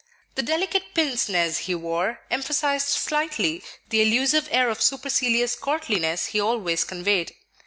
The delicate pince nez he wore emphasized slightly the elusive air of supercilious courtliness he always conveyed.